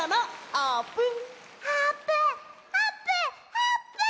あーぷん！